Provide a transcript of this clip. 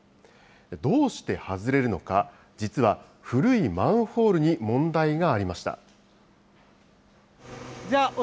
どうして外れるのか、実は古いマンホールに問題がありました。